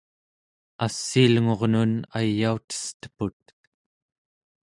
assiilngurnun ayautesteput